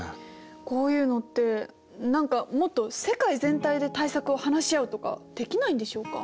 こういうのって何かもっと世界全体で対策を話し合うとかできないんでしょうか？